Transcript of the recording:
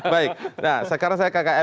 baik nah sekarang saya ke kkn